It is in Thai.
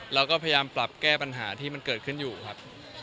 เราก็พยายามปรับแก้ปัญหาที่มันเกิดขึ้นอยู่ครับ